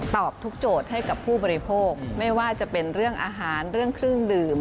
ตอบทุกโจทย์ให้กับผู้บริโภคไม่ว่าจะเป็นเรื่องอาหารเรื่องเครื่องดื่ม